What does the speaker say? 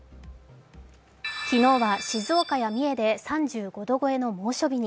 昨日は静岡や三重で３５度超えの猛暑日に。